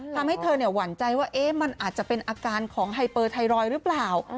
ทำให้เธอหวั่นใจว่ามันอาจจะเป็นอาการของไฮเปอร์ไทรอยด์หรือเปล่า